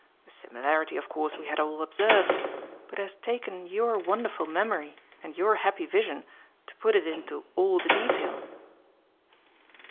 The similarity of course we had all observed, but it has taken your wonderful memory and your happy vision to put into it all the detail."